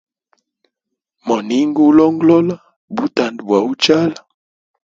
Moninga ulongolola butanda bwa uchala?